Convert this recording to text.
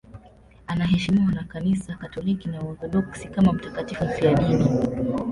Anaheshimiwa na Kanisa Katoliki na Waorthodoksi kama mtakatifu mfiadini.